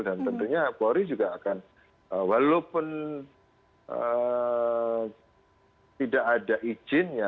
dan tentunya bauri juga akan walaupun tidak ada izinnya